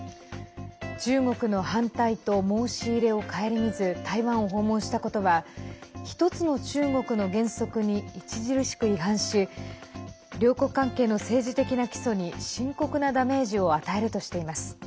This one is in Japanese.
中国の反対と申し入れを省みず台湾を訪問したことは一つの中国の原則に著しく違反し両国関係の政治的な基礎に深刻なダメージを与えるとしています。